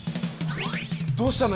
どうしたの？